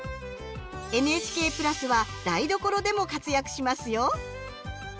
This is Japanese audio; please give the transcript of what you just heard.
ＮＨＫ＋は台所でも活躍しますよ。